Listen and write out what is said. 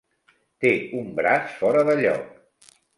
Té un braç fora de lloc.